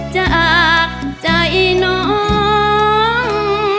จากใจน้อง